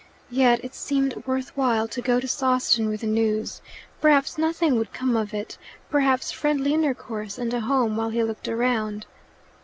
Yet it seemed worth while to go to Sawston with the news. Perhaps nothing would come of it; perhaps friendly intercourse, and a home while he looked around.